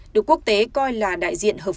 được quốc tế coi là đại diện hợp pháp